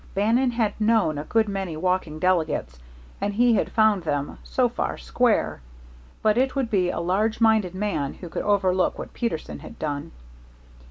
Bannon had known a good many walking delegates, and he had found them, so far, square. But it would be a large minded man who could overlook what Peterson had done.